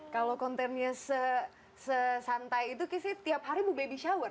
kalau kontennya sesantai itu sih tiap hari bu baby shower